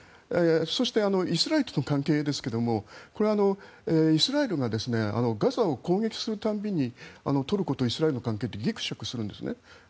そしてイスラエルとの関係ですがこれはイスラエルがガザを攻撃する度にトルコとイスラエルの関係はぎくしゃくするんですね。